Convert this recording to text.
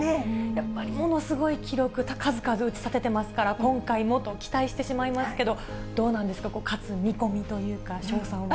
やっぱりものすごい記録、数々打ち立ててますから、今回もと期待してしまいますけど、どうなんですか、勝つ見込みというか、勝算は？